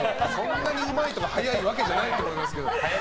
うまいとか早いわけじゃないと思いますけど。